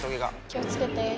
気をつけて。